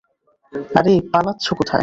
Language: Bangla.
আরে পালাচ্ছো কোথায়?